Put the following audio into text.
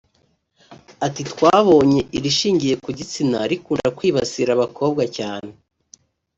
Ati “Twabonye irishingiye ku gitsina rikunda kwibasira abakobwa cyane